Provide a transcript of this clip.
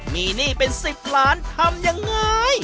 มีหนี้เป็น๑๐ล้านทำยังไง